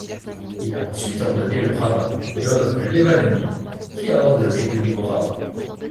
Il a ensuite ordonné le rabbin Dov Levanoni, qui a ordonné de nouveaux rabbins.